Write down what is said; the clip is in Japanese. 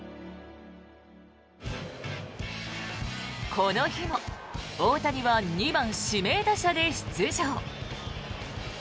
この日も大谷は２番指名打者で出場。